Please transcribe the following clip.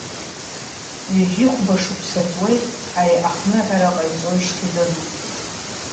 Ҩажәи хәба шықәса ҵуеит ари ахныҳәара ҟаиҵоижьҭеи даду.